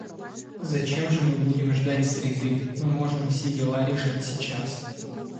Зачем же мы будем ждать среды, мы можем все дела решить сейчас.